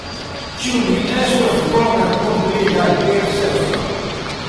Ĉu ne estus bone kun pli da diverseco?